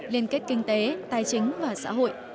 liên kết kinh tế tài chính và xã hội